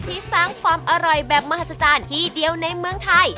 ที่สร้างความอร่อยแบบมหัศจรรย์ที่เดียวในเมืองไทย